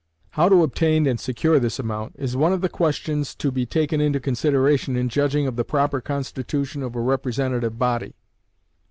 How to obtain and secure this amount is one of the questions to taken into consideration in judging of the proper constitution of a representative body.